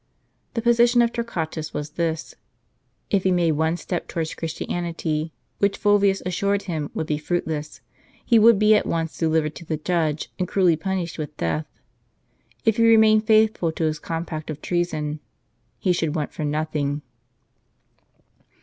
The position of Torquatus was this : if he made one step towards Christianity, which Fulvius assured him would be fruitless, he would be at once delivered to the judge, and cruelly punished with death. If he remained faithful to his compact of treason, he should want for nothing.